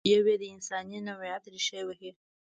یو یې د انساني نوعیت ریښې وهي.